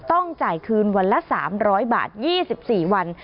ต้องจ่ายคืนวันละ๓๐๐บาท๒๔วัน